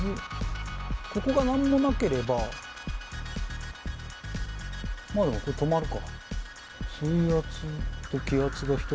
ここが何にもなければまあでも止まるか。